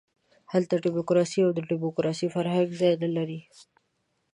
هلته ډیموکراسي او د ډیموکراسۍ فرهنګ ځای نه لري.